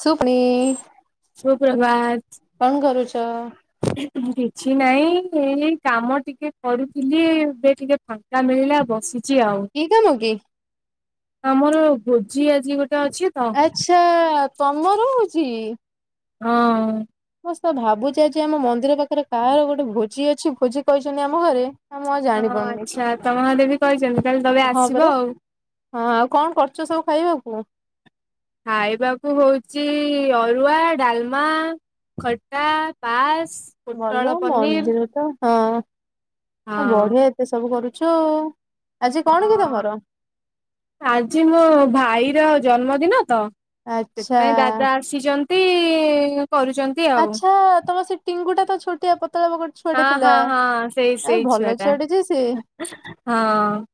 ସୁପ୍ନି। ସୁପ୍ରଭାତ୍। କଣ କରୁଚ? କିଛି ନାଇଁ ଏଇ କାମ ଟିକେ କରୁଥିଲି ଏବେ ଟିକେ ଫାଙ୍କା ମିଳିଲା ବସିଛି ଆଉ। କି କାମ କି? ଆମର ଭୋଜି ଆଜି ଗୋଟେ ଅଛି ତ ଆଚ୍ଛା ତମର ହଉଚି? ହଁ। ମୁଁ ତ ଭାବୁଛି ଆଜି ଆମ ମନ୍ଦିର ପାଖରେ କାହାର ଗୋଟେ ଭୋଜି ଅଛି ଭୋଜି କହିଛନ୍ତି ଆମ ଘରେ। ଆଉ ମୁଁ ଆଉ ହଁ ଜାଣିପାରୁନି ଆଚ୍ଛା ତମ ଘରେବି କହିଛନ୍ତି ତା ହେଲେ ତମେ ହଁ ପରା ଆସିବ ଆଉ? ହଁ ଆଉ କଣ କରୁଚ ସବୁ ଖାଇବାକୁ? ଖାଇବାକୁ ହଉଚି ଅରୁଆ, ଡାଲମା ଖଟା, ପାସ୍, ଭଲ ପୋଟଳ, ପନିର ମନ୍ଦିର ହଁ। ହଁ ବଢିଆ ଏତେ ସବୁ କରୁଚ ଆଉ ଆଜି କଣ କି ହଁ ତମର? ଆଜି ମୋ ଭାଇର ଜନ୍ମଦିନ ତ ଆଚ୍ଛା ସେଥିପାଇଁ ଦାଦା ଆ ଆସିଚନ୍ତି କରୁଚନ୍ତି। ଆଚ୍ଛା ତମ ସେ ଟିଙ୍ଗୁ ଟା ତ ଛୋଟିଆ ପତଳା ବକ ହଁ ହଁ ହଁ ସେଇ ସେଇ ଛୁଆ ଟା ଛୁଆଟେ ଯେ ସେ ହଁ।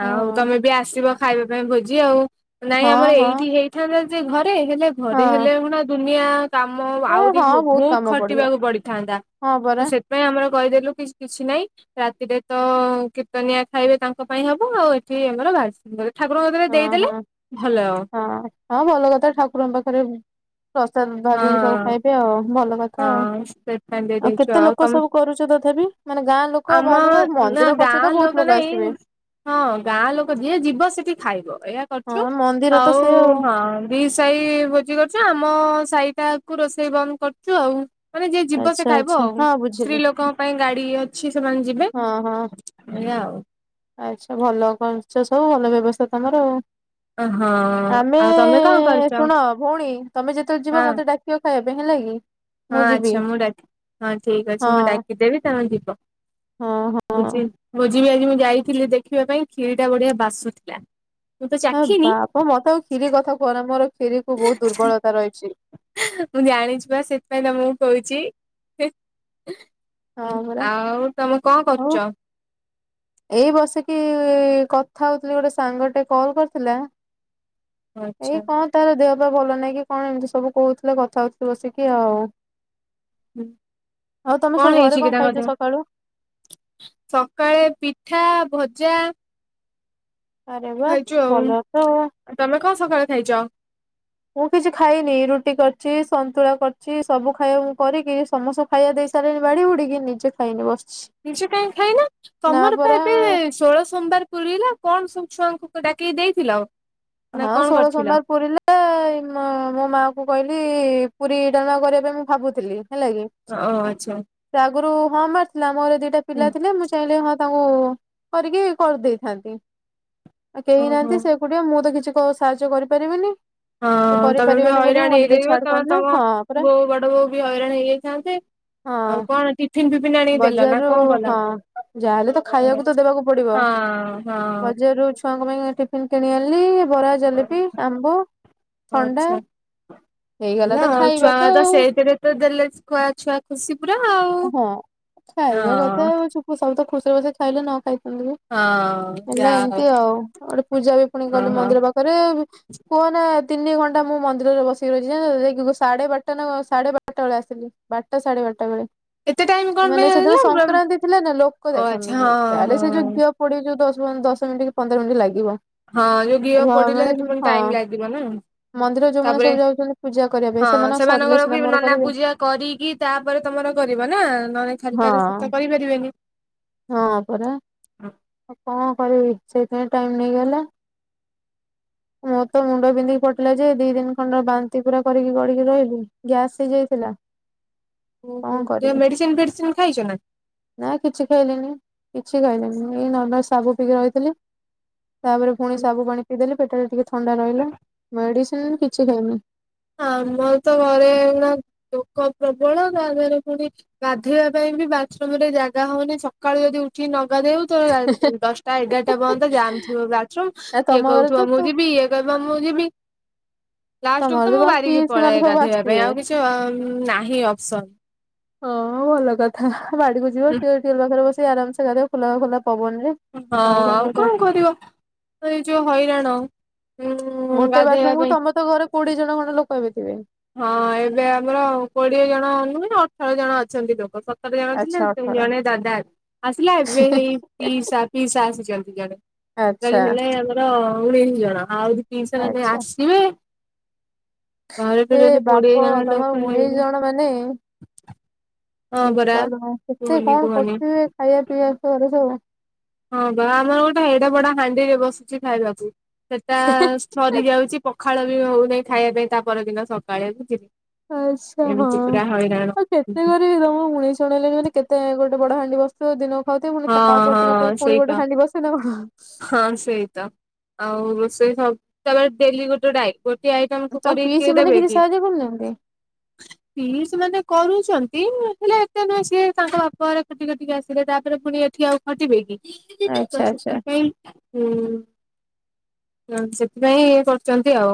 ହଁ ଆଉ ତମେ ବି ଆସିବ? ଖାଇବା ପାଇଁ ଭୋଜି ଆଉ ନାଇଁ ହଁ ଆମର ହଁ ଏଇଠି ହେଇଥାନ୍ତା ଯେ ଘରେ ହେଲେ ହଁ ଘରେ ହେଲେ ହୁନା ଦୁନିଆ କାମ ଏ ଆହୁରି ହଁ ବହୁତ କାମ ପଡିବ ଖଟିବାକୁ ପଡିଥାନ୍ତା। ହଁ ପରା। ପାଇଁ ଆମର କହିଦେଲୁ କି କିଛି ନାଇଁ ରାତିରେ ତ କୀର୍ତ୍ତନିଆ ଖାଇବେ ତାଙ୍କ ପାଇଁ ହବ ଆଉ ଏଠି ଆମର ବାହାରେ ହଁ ହଁ ହଁ ହଁ ଭଲ କଥା ଠାକୁରଙ୍କ ପାଖରେ ପ୍ରସାଦ ଭାବିକି ସବୁ ହଁ ଖାଇବେ ଆଉ ଭଲ କଥା। କଥା ହଁ ସେଥିପାଇଁ ଆଉ ଦେଇଦେଇଛୁ କେତେ ଲୋକ ତମେ ସବୁ କରୁଛ ତଥାପି ମାନେ ଗାଁ ଲୋକ ଆମ ବାହାର ଲୋକ ନା ମନ୍ଦିର କରୁଛ ଗାଁ ତ ବହୁତ ଲୋକ ଲୋକ ଆସିଥିବେ। ନାଇଁ ହଁ ଗାଁ ଲୋକ ଯିଏ ଯିବ ସେଠି ଖାଇବ ଏଇଆ କରୁଚୁ ହଁ ମନ୍ଦିର ତ ଆଉ ସେ ହଁ ଦି ସାହି ଭୋଜି କରୁଚୁ ଆମ ସାହିଟାକୁ ରୋଷେଇ ବନ୍ଦ କରୁଚୁ ଆଉ। ମାନେ ଯିଏ ଯିବ ସେ ଆଚ୍ଛା ଖାଇବ ଆଚ୍ଛା ଆଉ ହଁ ସ୍ତ୍ରୀ ବୁଝିଲି। ଲୋକଙ୍କ ପାଇଁ ଗାଡି ଅଛି ସେମାନେ ଯିବେ। ହଁ ହଁ ଏଇଆ ଆଉ। ଆଚ୍ଛା ଭଲ କରିଚ ସବୁ ଭଲ ବ୍ୟବସ୍ଥା ତମର ଆଉ? ହଁ ଆମେ ଆଉ ତମେ କଣ କରୁଛ ଶୁଣ ଭଉଣୀ ତମେ ଯେତେବେଳେ ହଁ ଯିବ ମତେ ଡାକ କିବ ଖାଇବା ପାଇଁ ହେଲା କି ହଁ ମୁଁ ଆଚ୍ଛା ଯିବି। ମୁଁ ଡାକ ହଁ ଠିକ ଅଛି ମୁଁ ହଁ ଡାକିଦେବି ତମେ ଯିବ। ହଁ ହଁ। ଭୋଜି ଭୋଜି ବି ଆଜି ମୁଁ ଯାଇଥିଲି ଦେଖିବା ପାଇଁ ଖିରିଟା ବଢିଆ ବାସୁ ଥିଲା। ହଁ ବାପ ମତେ ଆଉ ଖିରି କଥା କୁହନା ମୋର ଖିରି କୁ ବହୁତ ଦୁର୍ବଳତା ରହିଛି। ହେଁ ମୁଁ ଜାଣିଚି ପା ସେଥିପାଇଁ ତମକୁ କହୁଛି ହେଁ ହଁ ହୁଁ ପରା ଆଉ ତମେ କଣ ହଉ କରୁଚ? ଏଇ ବସିକି କଥା ହଉଥିଲି ଗୋଟେ ସାଙ୍ଗ ଟେ କଲ୍ କରିଥିଲା। ଏଇ ଆଚ୍ଛା କଣ ତାର ଦେହ ପା ଭଲ ନାଇଁ କି କଣ ଏମିତି ସବୁ କହୁଥିଲା କଥା ହଉଥିଲୁ ବସିକି ଆଉ। ହୁଁ ଆଉ ତମେ ସବୁ ଘରେ ହେଇଛି କି କଣ ତାଙ୍କ ଖାଇଚ ଦେହ? ସକାଳୁ? ସକାଳେ ପିଠା, ଭଜା ଆରେ ବା ଖାଇଚୁ ଆଉ ଭଲ ତ ତମେ କଣ ସକାଳେ ଖାଇଚ? ମୁଁ କିଛି ଖାଇନି ରୁଟି କରିଚି ସନ୍ତୁଳା କରିଚି ସବୁ ଖାଇବାକୁ ମୁଁ କରିକି ସମସ୍ତଙ୍କୁ ଖାଇବା ଦେଇ ସାରିଲିଣି ବାଢ଼ି ବୁଢିକି ନିଜେ ଖାଇନି ବସିଛି। ନିଜେ କାଇଁ ଖାଇନ ନା ତମର ପା ପରା ଏବେ ଷୋଳ ସୋମବାର ପୁରିଲା କଣ ସବୁ ଛୁଆଙ୍କୁ ଡାକିକି ଦେଇଥିଲ? ନା ହଁ କଣ ଷୋଳ କରିଥିଲ? ସୋମବାର ପୁରିଲା। ଏ ମ ମୋ ମା କୁ କହିଲି ପୁରୀ ଡାଲମା କରିବା ପାଇଁ ମୁଁ ଭାବୁଥିଲି ହେଲା କି? ଓ ଆଚ୍ଛା ସେ ଆଗରୁ ହଁ ମାରିଥିଲା ମୋର ଦିଟା ହୁଁ ପିଲା ଥିଲେ ମୁଁ ସେ ହଁ ତାଙ୍କୁ କରିକି କରିଦେଇଥାନ୍ତି କେହି ଓହୋ ନାହାନ୍ତି ସେ ସେ ଏକୁଟିଆ ମୁଁ ତ କିଛି ସାହାଯ୍ୟ କରିପାରିବିନି। ହଁ ସେ ତମେ ବି କରିପାରିବନି ବୋଲି ମୁଁ ହଇରାଣ କହିଲି ହେଇଯାଇଥିବେ ଛାଡ ତମେ କରନା ତମ ହଁ ପରା ବୋଉ ବଡ ବୋଉ ବି ହଇରାଣ ହେଇଯାଇଥାନ୍ତ? ହଁ ନା ବଜାରରୁ କଣ କଲ? ହଁ ଯାହାହେଲେ ତ ହଁ ଖାଇବାକୁ ଦବକୁ ପଡିବ ହଁ ବଜାରରୁ ଛୁଆଙ୍କ ପାଇଁ ଟିଫିନ କିଣି ଆଣିଲି ବରା ଜଲେପି ଆମ୍ବ ଥଣ୍ଡା। ଆଚ୍ଛା ହେଇଗଲା ହେଲା ତ ଆଉ ଖାଇବା ଛୁଆ ତ ସେଇଥିରେ ତ ଦେଲେ ଛୁଆ ଖୁସି ପୁରା ଆଉ। ହଁ ଖାଇବା କଥା [unintelligible] ସବୁ ତ ଖୁସିରେ ଖୁସିରେ ଖାଇଲେ ନ ଖାଇ ପାରୁଲୁ ହଁ ଯେ ହେଲା ଯାହା ହଉ ଏମିତି ଆଉ ଗୋଟେ ପୂଜା ବି ପୁଣି ହଁ କଲି ହଁ ମନ୍ଦିର ପାଖରେ କୁହ ନା ତିନି ଘଣ୍ଟା ମୁଁ ମନ୍ଦିରରେ ବସି ରହିଛି ଜାଣିଲ ଯାଇକି ସାଢେ ବାରଟା ନା କଣ ସାଢେ ବାରଟା ବେଳେ ଆସିଥିଲି ବାରଟା ସାଢେ ବାରଟା ବେଳେ। ଏତେ ଟାଇମ କଣ ପାଇଁ ମାନେ ସେଦିନ ହେଲା ବ ସଂକ୍ରାନ୍ତି ଥିଲେ ନା ଲୋକ ଓ ଆଚ୍ଛା ହଁ ଯାହାହେଲେ ସେ ହଁ ଯୋଉ କୋଡିଏ ଦଶ ଦଶ ମିନିଟ୍ କି ପନ୍ଦର ମିନିଟ୍ ଲାଗିବ। ହଁ ଯୋଉ ଘିଅ ପୋଡିଲେ ମାନେ ସେଠି ହଁ। ଫୁଣି ଟାଇମ ଲାଗିବ ନା? ମନ୍ଦିର ଯୋଉମାନେ ତାପରେ ସବୁ ଯାଉଛନ୍ତି ପୂଜା କରିବା ପାଇଁ ହଁ ସେମାନଙ୍କ ସରିଲେ ସେମାନଙ୍କର ସିନା ବି ମୋର ନନା କରିବି ପୂଜା କରିକି। ତାପରେ ତମର କରିବ ନା ନହେଲେ ଛାଡି ହଁ। ଛାଡି ସେ ତ କରିପାରିବେନି। ହଁ ପରା କଣ କରିବି ସେଇଥିାଇଁ ଟାଇମ ନେଇଗଲା। ମୋ ତ ମୁଣ୍ଡ ବିନ୍ଧିକି ପଡିଥିଲା ଯେ ଦି ଦିନ ଖଣ୍ଡ ବାନ୍ତି ପୁରା କରିକି ଗଡିକି ରହିଲି ଗ୍ୟାସ୍ ହେଇଯାଇଥିଲା। କଣ ଓହୋ କରିବି ମେଡିସିନ ଫେଡିସିନ ଖାଇଛ ନା? ନା କିଛି ଖାଇଲିନି କିଛି ଖାଇଲିନି ଏଇ କିଛି ଖାଇଲେନି ରି ନମାଲ ସାଗୁ ପିଇକି ରହିଥିଲି ତାପରେ ପୁଣି ସାବୁ ପାଣି ପିଇଦେଲି ପେଟରେ ଟିକେ ଥଣ୍ଡା ରହିଲା ମେଡିସିନ କିଛି ଖାଇନି। ଆମର ତ ଘରେ ଏଇନା ଲୋକ ପ୍ରବଳ ତା ଦେହରେ ପୁଣି ଗାଧୋଇବା ପାଇଁ ବି ବାଥରୁମ ରେ ଜାଗା ହଉନି ସକାଳୁ ଯଦି ଉଠିକି ନ ଗାଧେଇ ଗୁଫ ତ ଦଶଟା ଏଗାରଟା ପର୍ଯ୍ୟନ୍ତ ଯାମ୍ ଥିବ ବାଥରୁମ ନା କିଏ ତମ ଘରେ କହୁଥିବ ତ ମୁଁ ଯିବି ଇଏ ମୁଁ ଯିବି ତମ ଲାଷ୍ଟ କୁ ଘରେ ତ ମୁଁ ତମ ବାାରିକି ପିଇସି ପଳ ମାନେ ସବୁ ଗାଧୋଇବା ପାଇଁ ଆସିଥିବେ। ଆଉ କିଛି ଏତେ ନାହିଁ ଅପସନ୍। ହଁ ହଁ ଭଲ କଥା ବାଡିକୁ ଯିବ ଟ୍ୱିବଲ ଟ୍ୱିବଲ ପାଖରେ ବସିକି ଆରାମରେ ଗାଧୋଇବ ଖୋଲା ଖୋଲା ପବନରେ। ହଁ ଆଉ କଣ କରିବ ଏଇ ଯୋଉ ହଇରାଣ। ଉଁ ଗୋଟେ ଗାଧେଇବା ବାଥରୁମକୁ ପାଇଁ ତମ ଘରେ କୋଡିଏ ଜଣ ଖଣ୍ଡେ ଲୋକ ଏବେ ଥିବେ। ହଁ ଏବେ ଆମର କୋଡିଏ ଜଣ ନୁହେଁ ଅଠର ଜଣ ଅଛନ୍ତି ଲୋକ। ଆଚ୍ଛା ଅଠର। [unintelligible] ପିଇସା ପିଇସା ଆସି ଛନ୍ତି ଜଣେ ଟା ଆଚ୍ଛା ହେଲେ ଆମର ଉଣେଇଶ ଜଣ ଆଉ। ପିସା ଯଦି ଆଚ୍ଛା ଆସିବେ ଘରେତ ଯଦି କୋଡିଏ ଜଣ ଲୋକ ହେଇଯି ଆ ମାନେ ହଁ ପରା କେତେ କୁହନି କଣ କୁହନି କରୁଥିବେ? ଖାଇବା ପିଇବା ସରୁ ସବୁ ହଁ ବା ଆମର ଗୋଟେ ଏଡେ ବଡ ହାଣ୍ଡିରେ ବସୁଛି ଖାଇବାକୁ ସେଟା [inaudible] ସରି ଯାଉଛି ପଖାଳ ବି ହଉନାହିଁ ଖାଇବା ପାଇଁ ତା ପରଦିନ ସକାଳେ। ଆଚ୍ଛା ହଁ ଏମିତି ପୁରା ହଇରାଣ ଆଉ କେତେ ହଁ ଘରେ ସବୁ ଉଣେଇସି ଜଣ ହେଲେଣି କେତେ ବଡ ହାଣ୍ଡି ବସୁଥିବ। ସେ ଦିନ ଖାଉଥିବେ ତା ପରଦିନ ପାଇଁ ହଁ ପୁଣି ସେଇତ ଗୋଟେ ହାଣ୍ଡି ବସାଇ ଦେବ? ହଁ ସେଇତ। ଆଉ ରୋଷେଇ ସବୁ ତମର ଡେଲି ଗୋଟେ ଟାଇମ୍। ଗୋଟିେ ଆଇଟମକୁୁ ତମ କରିକି ପିଇସି କିଏ ମାନେ ଦେବେ କିଛି କି? ସାହାଯ୍ୟ କରୁନାହାନ୍ତି? ପିଇସୀ ମାନେ କରୁଛନ୍ତି ହେଲେ ଏତେ ନୁହେଁ ସିଏ ତାଙ୍କ ବାପାଘରେ ଆସ ଥିଲେ ତାପରେ ପୁଣି ଏଠି ଆଉ ଖଟିବେ କି ଆଚ୍ଛା ତ ଆଚ୍ଛା। ସେଥିପାଇଁ ହୁଁ ସେଥିପାଇଁ କରୁଛନ୍ତି ଆଉ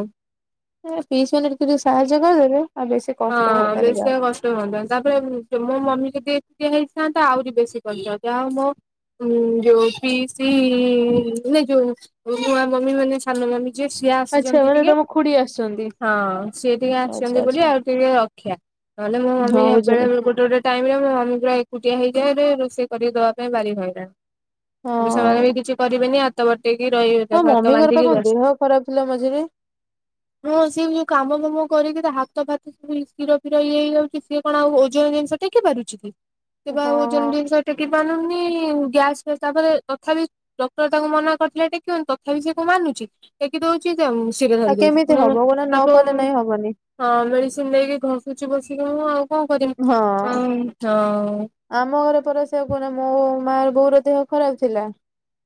ପିଇସୀ ମାନେ କିି ସାହାଯ୍ୟ କରିଦେବେ ଆଉ ହଁ କଷ୍ଟ ହୁଅନ୍ତାନି ବେଶୀ ଆଉ କାହାକୁ। କଷ୍ଟ ତାପରେ ମୋ ମମି ଯଦି ଏକା ହେଇଥାନ୍ତାେ ଆହୁରି ବେଶୀ କରିଥା ଯାହା ହଉ ମୋ ଉଁ ଯୋଉ ପିସି ମାନେ ଯୋଉ ନୂଆ ମମି ମାନେ ସାନ ମମି ଯିଏ ସିଏ ଆଚ୍ଛା ଆସିଛନ୍ତି ମାନେ ଟିକେ ତମ ଖୁଡି ଆସୁଛନ୍ତି। ହଁ ସିଏ ଟିକେ ଆଚ୍ଛା ଆସିଛନ୍ତି ବୋଲି ଆଚ୍ଛା ଆଉ ଟିକେ ରକ୍ଷା ନହେଲେ ମୋ ମମି ହଁ ବେଳେ ବୁଝିଲି ଗୋଟେ ଗୋଟେ ଟାଇମ ରେ ମୋ ମମି ପୁରା ଏକୁଟିଆ ହେଇଯାଏ ରୋଷେଇ କରି ଦବା ପାଇଁ ବାରି ହଇରାଣି ଆ ସେମାନେ ହଁ। ବି କିଛି କରିବେନି ଆଉ ହାତ ବଟେଇକି ରହିିବଥା ମୋ ସାତ ମମିଙ୍କର ପା ବାନ୍ଧିକି କଣ ବ ଦେହ ଖରାପ ଥିଲା ମଝିରେ। ହଁ ସେ ଯୋଉ କାମ ଫାମ କରିକି ତା ହାତ ଫାତ କ୍ଷୀର ଫିର ଇଏ ହେଇଯାଉଛି ସି କଣ ଆଉ ଓଜନ ଜିନିଷ ଟେକି ପାରୁଛି କି? ହଁ କିବା ହଁ। ଓଜନ ଜିନିଷ ଟେକି ପାରୁନି ଗ୍ୟାସ ଫ୍ୟାସ୍ ତାପରେ ତଥାପି ଡକ୍ଟର ତାଙ୍କୁ ମନା କରିଥିଲା ଟେକିବନି ତଥାପି ସେ କ ମାନୁଛି। ଟେକିଦଉଛି ଯ ଶୀଘ୍ର ଆଉ ଧରି ଦଉଛି କେମିତି ହବ ତଣୁ କହୁନା ନ ତାକୁ, କଲେ ନାଇଁ ହବନି ହଁ ମେଡିସିନ ଦେଇକି ଘସୁଛି ବସିକି ମୁ ଆଉ କଣ କରିମି ହଁ। ହଁ। ଆମ ଘରେ ପର ସେଆ କୁହନା ମୋ ମା ର ବୋଉର ଦେହ ଖରାପ ଥିଲା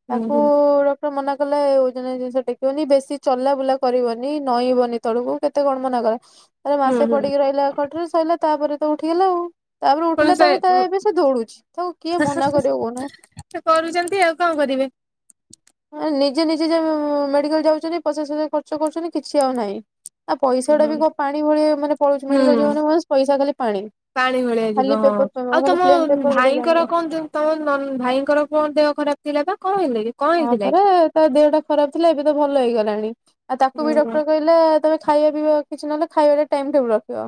ହଁ ହୁଁ ହୁଁ ତାକୁଡ ସେ ମନାକଲାଓଜନିଆ ଜିନିଷ ଟେକିବନି ବେଶୀ ଚଲାବୁଲା କରିବନି ନଈଁବନି। ତେଳୁକୁ କେତେ କଣ ମନା କଲାରେ ହୁଁ ମାସେ ହୁଁ ପଡିକି ରହିଲା ଖଟରେ ସରିଲା ତାପରେ ତ ଉଠିଗଲା ଆଉ ତାପରେ ପୁଣି ଉଠିଲା ସେ ତାପରେ ତା ଏବେ ସେ ଦୌଡୁଛି ତାକୁ କିଏ ମନା କରିବ କହୁନା? ସେ କରୁଛନ୍ତି ଆଉ କଣ କରିବେ? ମ ନିଜେ ନିଜେ ମେଡିକାଲ ଯାଉଛନ୍ତି ପଚା ପସା ଖର୍ଚ୍ଚ କରୁଛନ୍ତି କିଛି ଆଉ ନାହିଁ। ଆଉ ପଇସା ଟା ବି କ ପାଣି ଭଳି ମାନେ ପଳଉଛି ହୁଁ ମେଡିକାଲ ଯାନ ପଇସା ଖାଲି ପାଣି। ପାଣି ଭଳିଆ ଖାଲି ଯିବ ହଁ ପେପର ଆଉ ଖାଲି ତମ ପ୍ଲେନ ପେପର ବୋଲି ଭାଇଙ୍କର ଜାଣିବ। କହନ୍ତୁ? ତମ ଭାଇଙ୍କର କଣ ଦେହ ଖରାପ ଥିଲା ବା କଣ ହେଲେ କି? କଣ ହଁ ହେଇଥିଲା ପରା କି? ତା ଦେହଟା ଖରାପ ଥିଲା ଏବେ ତ ଭଲ ହେଇଗଲାଣି ଆଉ ତାକୁ ହୁଁ ବି ଡକ୍ଟର କହିଲେ ମେ ଖାଇବା ପିଇବା କିଛି ନହେଲେ ଖାଇବା ଟାଇମ ଟେବଲ ରଖିବଉ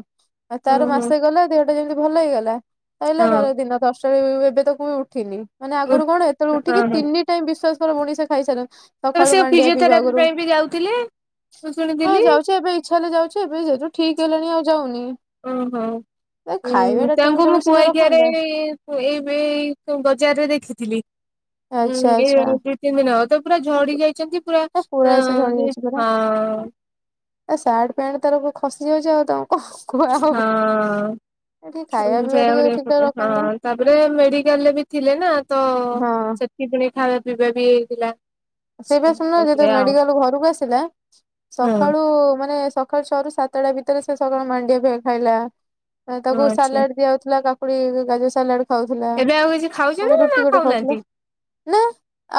ହୁଁ ତାର ହୁଁ ମାସେ ଗଲେ। ଟ ଯେମିତି ଭଲ ହେଇଗଲା କହିଲଲା ହଁ ତାର ଦିନ ତଟ ଏବେ ତ କ ବି ଉଠିନି। ମାନେ ଉଁ ଆଗରୁ କଣ ଏତେବେଳେ ହଁ ଉଠିକି ହଁ ତିନି ଟାଇମ ବିଶ୍ଵାସ କର ମଣିଷ ଖାଇସାର ତ ସକାଳୁ ସେ ମାଣ୍ଡିଆ ପିଇବା ଫିଜିଓଥେରାପି ଆଗରୁ ପାଇଁ ବି ଯାଉଥିଲେ ମୁଁ ହଁ ଶୁଣିଥିଲି ଯାଉଛି ଏବେ ଇଛା ହେଲେ ଯାଉଛି ଏବେ ଯେହେତୁ ଠିକ ହେଲାଣି ଆଉ ଯାଉନି। ଓହୋ ଏ ଉ ଖାଇବାଟା ଟାଇମ ତାଙ୍କୁ ମୁଁ ଟେବୁଲ ସିନା କୁଆଇ କିଆରେ ରଖନ୍ତା ମୁଁ ଏବେ ବଜାରରେ ଦେଖିଥିଲି ଉ ଆଚ୍ଛା ଏ ଆଚ୍ଛା। ତିନି ଦିନ ହବ ତ ପୁରା ଝଡି ଯାଇଛନ୍ତି ପୁରା ତା ଅ ସେ ହଁ। ଏ ସାର୍ଟ ପ୍ୟାଣ୍ଟ ତାର ଖସି ଯାଉଛି ଆଉ ତମ କଣ? କୁହା ହବ। ହଁ। ଟିକେ ଖାଇବା ଜୟ ପିଇବା ଟିକେ ଠିକ ଭଳିଆ ଠାକ ହଁ ରଖନ୍ତା ତାପରେ ମେଡିକାଲରେ ବି ଥିଲେ ନା ତ ହଁ କି ପୁଣି ଖାଇବା ପିଇବା ବି ହେଇଥିଲା। ସେଇପା ଶୁଣୁନ ଯେତେବେଳେ ସେଇଆ ଆଉ ମେଡିକାଲରୁ ଘରକୁ ଆସିଲା ହଁ ସକାଳୁ ମାନେ ସକାଳ ଛଅ ରୁ ସାତଟା ଭିତରେ ସେ ସକାଳ ମାଣ୍ଡିଆ ଦିଆ ଖାଇଲା ହଁ ତାକୁ ଆଚ୍ଛା ସାଲାଡ ଦିଆଯାଉଥିଲା। ଫୁଣି ଗାଜର ସାଲାଡ ଖାଉଥିଲା ଏବେ ଆଉ କିଛି ପୁଣି ଖାଉଛନ୍ତି ରୁଟି ନା ଗୋଟେ ଖାଉଥିଲା। ଖାଉନାହାନ୍ତି ନା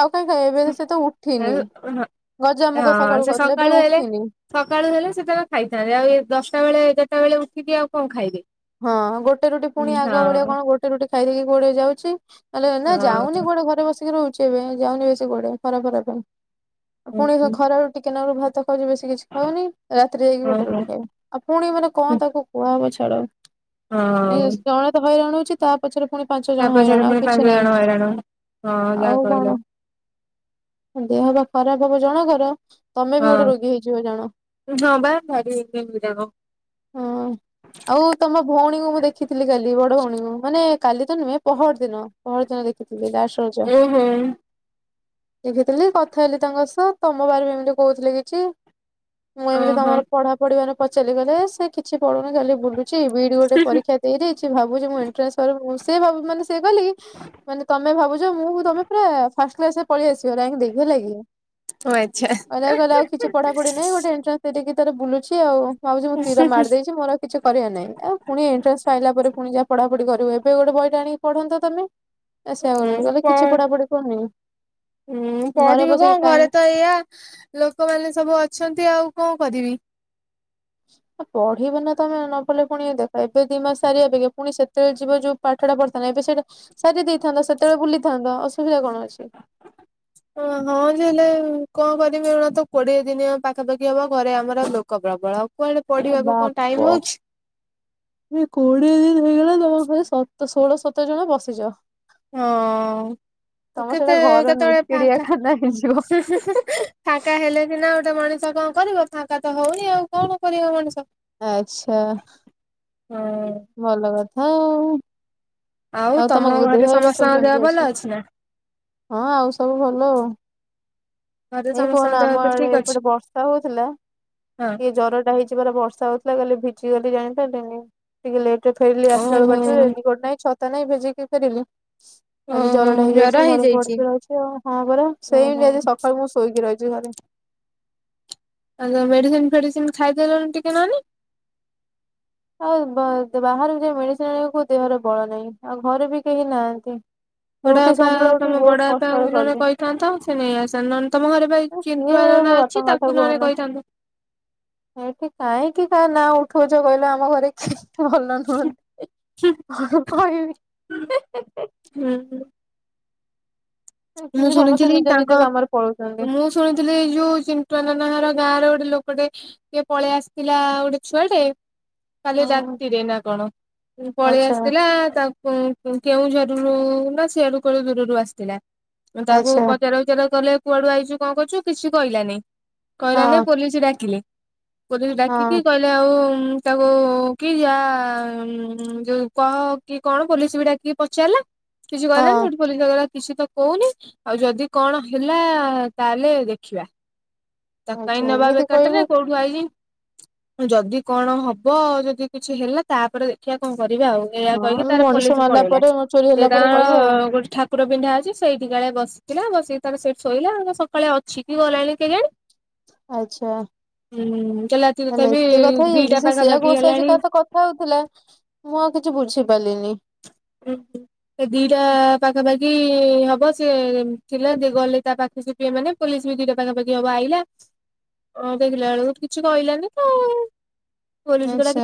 ଆଉ କାଇଁ ଖାଇବ ଏବେ ସେ ତ ଉଠିନି ହଁ ଗଜାମୁଗ ସକାଳୁ ଖାଉଥିଲା ସେ ବି ଉଠିନି। ସକାଳୁ ହେଲେ ସେ ତାଙ୍କ ଖାଇଥାନ୍ତେ ଆଉ ଏ ଦଶଟା ବେଳେ ଏଗାରଟା ବେଳେ ଉଠିକି ଆଉ କଣ ଖାଇବେ? ହଁ ଗୋଟେ ରୁଟି ପୁଣି ଆଗ ଭଳିଆ ହଁ କଣ ଗୋଟେ ରୁଟି ଖାଇଦେଇକି କୋଉଆଡେ ଯାଉଛି? ହେଲେ ନା ଯାଉନି କୁଆଡେ ଘରେ ବସିକି ରହୁଛି ଏବେ ଯାଉନି ବେଶୀ କୁଆଡେ ଖରା ଫରା ପାଇଁ। ପୁଣି ହଁ ଖରା ରୁଟି କେନାରୁ ଭାତ ଖାଉଛି ବେଶୀ କିଛି ଖାଉନି ରାତିରେ ଯାଇକି ହଁ ଗୋଟେ ରୁଟି ଖାଇବ। ଆଉ ପୁଣି ମାନେ କଣ ତାକୁ କୁହାହବ ଛାଡ ହଁ ଜଣେ ତ ହଇରାଣ ହଉଛି ତା ପଛରେ ପୁଣି ପାଞ୍ଚ ତା ଜଣ ପଛରେ ହଇରାଣ ଆଉ ପୁଣି କିଛି ପାଞ୍ଚ ନାହିଁ ଜଣ ହଇରାଣ ହଁ ଯାହା ଆଉ କହିଲ କଣ? ଦେହ ବା ଖରାପ ହବ ଜଣଙ୍କର ତମେ ବି ହଁ ଗୋଟେ ରୋଗୀ ହେଇଯିବ ଜାଣ? ହଁ ବା ଭାରି ହଇରାଣ। ହଁ ଆଉ ତମ ଭଉଣୀଙ୍କୁ ମୁଁ ଦେଖିଥିଲି କାଲି ବଡ ଭଉଣୀଙ୍କୁ ମାନେ କାଲି ତ ନୁହେଁ ପହର ଦିନ ପହର ଦିନ ଦେଖିଥିଲି ଲାଷ୍ଟ [unintelligible] ଓହୋ। ଦେଖି ଥିଲି କଥା ହେଲି ତାଙ୍କ ସହ ତମ ବାରିମେଣ୍ଟ କହୁଥିଲେ କିଛି। ମୁଁ ଏମିତି ଓହୋ ତମର ପଢା ପଢିବାରେ ପଚାରିଲି କହିଲେ ସେ କିଛି ପଢୁନି ଖାଲି ବୁଲୁ ଛି ବିଇଡି ଗୋଟେ ପରୀକ୍ଷା ଦେଇଦେଇଚି ଭାବୁଛି ମୁଁ ଏଣ୍ଟ୍ରାନ୍ସ କରାନ ସେ କାଲି ମାନେ ତମେ ଭାବଛ ମୁଁ ତମେ ପରା ଫାଷ୍ଟ କ୍ଲାସ ରେ ପଳେଇଆ ଆସି ରାଙ୍କ ଦେଇକି ହେଲା କି। ଓ ଆଚ୍ଛା। କହିଲେ କହିଲେ ଆଉ କିଛି ପଢା ପଢି ନାହିଁ ଗୋଟେ ଏଣ୍ଟ୍ର। ନ୍ସ ‌। ସେ ଟିକିଏ ତାର ବୁଲୁଚି ଆଉ ଭାଉଜ ମୁଁ ତୀର ମାରି ଦେଇଚି ମୋର ଆଉ। କିଛି କରିବା ନାଇଁ ଆଉ ପୁଣି ଏଣ୍ଟ୍ରାନ୍ସ ଆଇଲା ପରେ ପୁଣି ଯାହା ପଢାପଢି କରିବୁ ଏବେ ଗୋଟେ ବହି ଟେ ଆଣିକି ପଢନ୍ତ ତମେ। ଏ ସେଇଆ କରିବ କିଛି ପଢାପଢି କରୁନି। ହୁଁ ଘରେ ପଢିବି କଣ ବସିକି ଘରେ ଟାଇମ ତ ଏଇଆ ଲୋକମାନେ ସବୁ ଅଛନ୍ତି ଆଉ କଣ କରିବି। ପଢିବ ନା ତମେ ନ ପଢିଲେ ପୁଣି ଦେଖ ଏବେ ଦି ମାସ ସାରିିବ ପୁଣି ସେତେବେଳେ ଯିବ ଯୋଉ। ପାଠପଢିଥାନ୍ତା ଏବେ ସେଇଟା ସାରି ଦେଇଥାନ୍ତ ସେତେବେଳେ ବୁଲିଥାନ୍ତ ଅସୁବିଧା କଣ ଅଛି। ହଁ ଯେ ହେଲେ କଣ କରିବି ତ କୋଡିଏ ଦିନି ପାଖାପାଖି ହବ ଘରେ ଆମର ଲୋକ ପ୍ରବଳବ। ବାପ ଏ କୋଡିଏ ଦିନ ହେଇଗଲା ତମ ଘରେ ସତ ଷୋହଳ ସତର ଜଣ ବସିଚ? ହଁ ସେଇଟା କେତେ ଘର ନୁହେଁ କେତେବେଳେ ଫାଙ୍କା ଚିଡିଆଖାନା ହୁଁ ହୁଁ। ହେଇଯିବ। ଫାଙ୍କା ହେଲେ ସିନା ଗୋଟେ ମଣିଷ କଣ କରିବ ଫାଙ୍କା ତ ହଉନି ଆଉ କଣ କରିବ ମଣିଷ। ଆଚ୍ଛା। ହଁ। ଭଲ କଥା ଆଉ ଆଉ ତମ ଘରେ ଦେହ ଏବେ ସବୁ ସମସ୍ତଙ୍କ ଦେହ କେମିତି ଭଲ ଅଛି। ନା? ହଁ ଆଉ ସବୁ ଭଲ। ଘରେ ଏଇ କୁହନା ସମସ୍ତଙ୍କ ଦେହ ଆମ ଏବେ ଆଡ଼େ ଠିକ୍ ଅଛି? ଏପଟେ ବର୍ଷା ହଉଥିଲା ହଁ। ଏଇ ଜର ଟା ହେଇଚି। ଏଠି ପରା ବର୍ଷା ହଉଥିଲା କାଲି ଭିଜିିଗଲି ଜାଣିପାରିଲିନି। ଟିକିଏ ଲେଟରେ ଫେରିଲି ଆସିଲା ବେଳୁ ଓହୋ ବାଟରେ ରେନି କୋଟ ନାହିଁ ଛତା ନାହିଁ ଭିଜିକି ଫେରିଲି। ଆଜି ଓହୋ ଜରଟା ଜର ହେଇଯାଇଛି ଘରେ ପଡିକି ରହିଛି ଆଉ ହଁ ପରା ସେଇ ଓହୋ। [unintelligible] ସକାଳୁ ମୁଁ ଶୋଇକି ରହିଚି ଘରେ। ତାଜା ମେଡିସିନ ଫେଡିସିନ ଖାଇଦେଲଣି ଟିକେ ନାନୀ। ଆଉ ବା ବାହାରେ ଯଉ ମେଡିସିନ ଆଣିବାକୁ ଦେହରେ ବଳ ନାହିଁ ଆଉ ଘରେ ବି କେହି ନାହାନ୍ତି। ବଡ ରୁଟି ବାପା ସନ୍ତୁଳା ଉଠିକି ତମ ବହୁତ ବଡ କଷ୍ଟରେ ବାପାଙ୍କୁ ନହେଲେ କଲି। କହିଥାନ୍ତ ତ ସେ ନେଇ ଆସନ୍ ନହେଲେ ତମ ଘରେ ପାଇ ଆଉ ସିଏ ଚିଣ୍ଟୁଆ ମୋ ନନା ବାପାଙ୍କ ଅଛି କଥା ତାକୁ ନହେଲେ କୁହନା କହିଥାନ୍ତୁ। ଏଠି କାହିଁକି ତା ନାଁ ଉଠଉଚ କହିଲ ଆମ ଘରେ। ଭଲ ନୁହନ୍ତି ହୁଁ କଣ କହିବି। ହୁଁ ହୁଁ। ମୁଁ ସମସ୍ତେ ଶୁଣିଥିଲି ନିଜ ତାଙ୍କ ନିଜ କାମରେ ପଳଉଛନ୍ତି। ମୁଁ ଶୁଣିଥିଲି ଯଉ ଚିଣ୍ଟୁଆ ନନା ହର ଗାଁରେ ଗୋଟେ ଲୋକ ଟେ କିଏ ପଳେଇ ଆସିଥିଲା ଗୋଟେ ଛୁଆ ଟେ। କାଲି ହଁ ରାତିରେ ନା କଣ ପଳେଇ ଆଚ୍ଛା ଆସିଥିଲା ତା ଉଁ କେଉଁଝର ରୁ ନା ସିଆଡୁ କୁଆଡୁ ଦୂରରୁ ଆସିଥିଲା। ତାକୁ ଆଚ୍ଛା ପଚାର ଉଚାର କଲେ କୁଆଡୁ ଆଇଚୁ କଣ କରିଚୁ କିଛି କହିଲାନି। ହଁ କହିଲାନି ପୋଲିସ ଡାକିଲେ ପୋଲିସ ହଁ ଡାକିକି କହି ଦାଉ ତାକୁ କି ଯା ଯୋଉ କହ କି କଣ ପୋଲିସ ବି ଡାକି ପଚାରିଲା କିଛି କହିଲାନି ହଁ ସେଠି ପୋଲିସ [unintelligible] କିଛି ତ। କହୁନି ଆଉ ଯଦି କଣ ହେଲା ତାହେଲେ ଦେଖିବା। ତାକୁ କାହିଁ ଆଚ୍ଛା ନବା ଏମିତି ବେକାର ଟା ରେ କହିବୁ କଉଠୁ ଆଇଲି। ଯଦି କଣ ହବ ଯଦି କିଛି ହେଲା ତାପରେ ଦେଖିବା କଣ କରିବା ଆଉ। ଏଇଆ କହିକି ହଁ ତାର ମଣିଷ ପୋଲିସ ମାରିଲା ପଳେଇଲା ପରେ ଚୋରି ସେ ହେଲା ପରେ ତାର କହିବ ଆଉ। ଗୋଟେ ଠା ଠାକୁର ପିନ୍ଧା ଅଛି ସେଇଠିକାଳେ ବସିଥିଲା ବସିକି ତାର ସେଠି ଶୋଇଲା ସକାଳେ ଅଛି କି ଗଲାଣି କେଜାଣି। ଆଚ୍ଛା ଉଁ କାଲି ରାତି ତାହେଲେ ତଥାପି ଏତେ କଥା ଦିଟା ହେଇଯାଇଛି ସେ ସେୟା ପାଖାପାଖି ଘୋଷାଛି ହେଲାଣି କା ସ କଥା ହଉଥିଲା ମୁଁ ଆଉ କିଛି ବୁଝିପାରିଲିନି। ହୁଁ। ସେ ଦି ଟା ପାଖାପାଖି ହବ ସେ ଥିଲା ଗଲି ତା ପାଖକୁ। ମାନେ ପୋଲିସ ବି ଦିଟା ପାଖାପାଖି ହବ ଆଇଲା। ଅଁ ଦେଖିଲା ବେଳକୁ କିଛି କହିଲାନି ତ ଆଉ ପୋଲିସ ଗୁରା କିଛି ଆଚ୍ଛା।